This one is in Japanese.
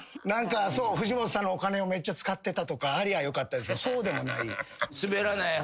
何かそう藤本さんのお金をめっちゃ使ってたとかありゃよかったそうでもない。